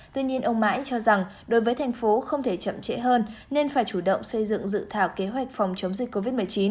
tuy nhiên ông mãi cho rằng đối với thành phố không thể chậm trễ hơn nên phải chủ động xây dựng dự thảo kế hoạch phòng chống dịch covid một mươi chín